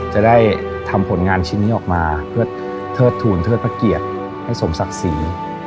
จะได้ทำผลงานชิ้นนี้ออกมาเพื่อเทิดทูลเทิดพระเกียรติให้สมศักดิ์ศรี